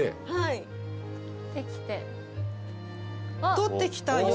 採ってきた。